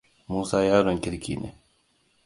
Musa yaron kirki ne.